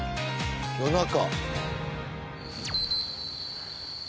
夜中